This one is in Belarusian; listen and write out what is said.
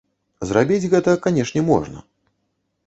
Зрабіць гэта, канешне, можна.